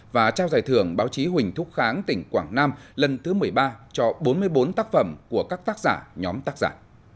và trao giải thưởng báo chí huỳnh thúc kháng tỉnh quảng nam lần thứ một mươi ba cho bốn mươi bốn tác phẩm của các tác giả nhóm tác giả